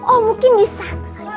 oh mungkin disana